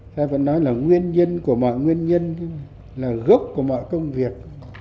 ta vẫn nói là nguyên nhân của mọi nguyên nhân là gốc của mọi công việc